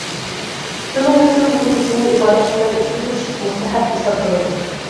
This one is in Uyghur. شۇنىڭ ئۈچۈن بۇ كېچىنى ئىبادەت بىلەن ئۆتكۈزۈش مۇستەھەپ ھېسابلىنىدۇ.